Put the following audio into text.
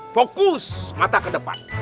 fokus mata ke depan